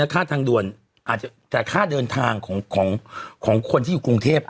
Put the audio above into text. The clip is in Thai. ค่าทางด่วนอาจจะแต่ค่าเดินทางของคนที่อยู่กรุงเทพ